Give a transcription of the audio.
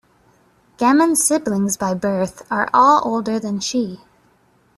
Gemmen's siblings by birth are all older than she.